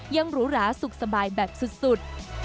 หรูหราสุขสบายแบบสุด